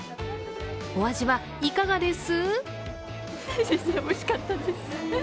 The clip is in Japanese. お味はいかがです？